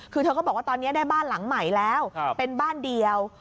คือเธอก็บอกว่าตอนนี้ได้บ้านหลังใหม่แล้วเป็นบ้านเดียว